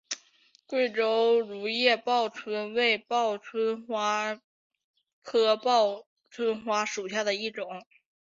贵州卵叶报春为报春花科报春花属下的一个种。